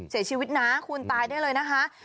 เสียชีวิตนะคุณตายได้เลยนะคะ